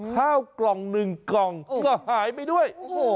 ข้าวกล่องหนึ่งกล่องก็หายไปด้วย